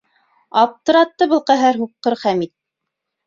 Аптыратты был ҡәһәр һуҡҡыр Хәмит!